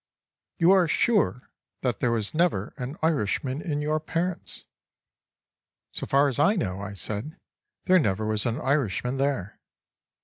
—"You are sure that there was never an Irishman in your parents?"—"So far as I know," I said, "there never was an Irishman there."